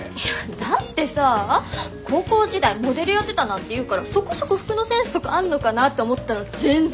だってさ高校時代モデルやってたなんて言うからそこそこ服のセンスとかあんのかなって思ったら全然！